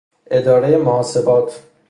ادارۀ محاسبات